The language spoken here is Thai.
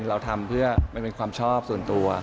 เราทำเพื่อมันเป็นความชอบส่วนตัว